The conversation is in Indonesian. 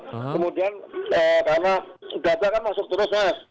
kemudian karena data kan masuk terus mas